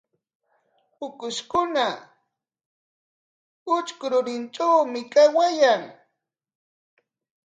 Ukushkuna utrku rurinkunatrawmi kawan.